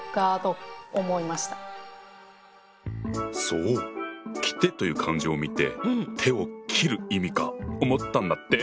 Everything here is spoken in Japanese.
そう「切手」という漢字を見て手を切る意味か思ったんだって。